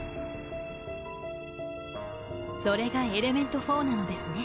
それがエレメント４なのですね？